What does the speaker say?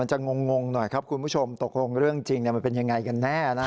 จะงงหน่อยครับคุณผู้ชมตกลงเรื่องจริงมันเป็นยังไงกันแน่นะ